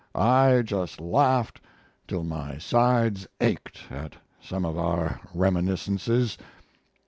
I just laughed till my sides ached at some of our reminiscences.